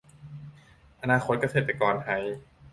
อนาคตเกษตรไทย